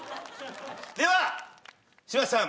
では柴田さん